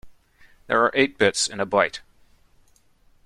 There are eight bits in a byte.